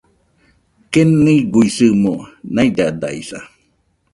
Keniguisɨmo naidaidaisa